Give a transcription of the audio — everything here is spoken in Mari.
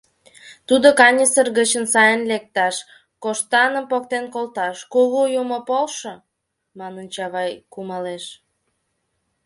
Тудо каньысыр гычын сайын лекташ, коштаным поктен колташ, Кугу Юмо, полшо! — манын, Чавай кумалеш.